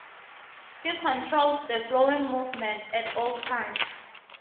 He controls the flowing movement at all times.